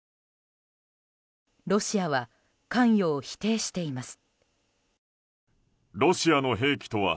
ロシアは関与を否定しています。